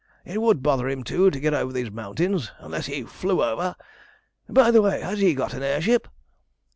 It would bother him, too, to get over these mountains, unless he flew over. By the way, has he got an air ship?"